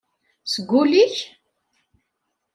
Seg ul-ik?